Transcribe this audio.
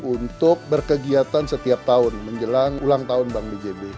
untuk berkegiatan setiap tahun menjelang ulang tahun bank bjb